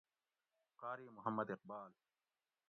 قاری محمد اقبال